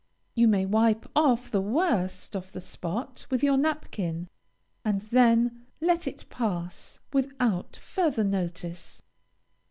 You may wipe off the worst of the spot with your napkin, and then let it pass without further notice.